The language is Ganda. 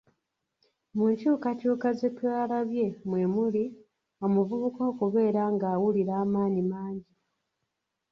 Mu nkyukykyuka ze twalabye mwe muli, omuvubuka okubeera ng'awulira amaanyi mangi.